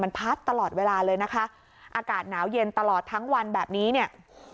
มันพัดตลอดเวลาเลยนะคะอากาศหนาวเย็นตลอดทั้งวันแบบนี้เนี่ย